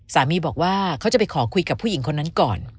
สามีบอกว่าเขาจะไปขอคุยกับผู้หญิงคนนั้นก่อน